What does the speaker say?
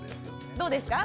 どうですか？